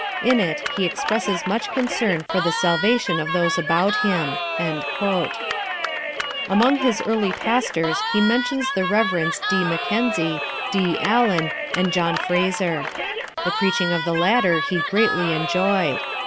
In it he expresses much concern for the salvation of those about him." Among his early pastors he mentions the Revs. D. Mackenzie, D. Allen and John Fraser. The preaching of the latter he greatly enjoyed.